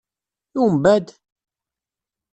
I umbeɛd?